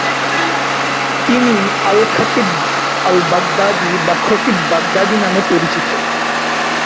তিনি আল-খতিব আল-বাগদাদী বা খতিব বাগদাদী নামে পরিচিত।